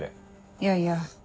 いやいや。